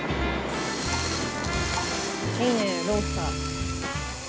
いいねロースター。